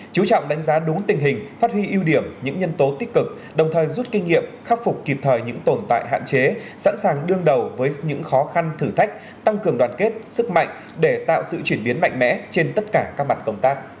chú trọng đánh giá đúng tình hình phát huy ưu điểm những nhân tố tích cực đồng thời rút kinh nghiệm khắc phục kịp thời những tồn tại hạn chế sẵn sàng đương đầu với những khó khăn thử thách tăng cường đoàn kết sức mạnh để tạo sự chuyển biến mạnh mẽ trên tất cả các mặt công tác